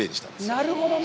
なるほどね。